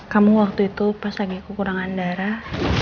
kamu waktu itu pas lagi kekurangan darah